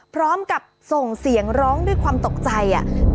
พร้อมกับส่งเสียงร้องด้วยความตกใจ